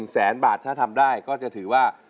แสนบาทถ้าทำได้ก็จะถือว่า